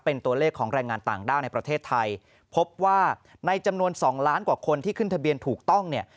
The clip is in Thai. เป็นตัวเลขของแรงงานต่างด้าวในประเทศไทยพบว่าในจำนวน๒ล้านกว่าคนที่ขึ้นทะเบียนถูกต้องเนี่ย